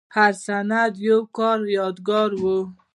هر سند د یو کار یادګار و.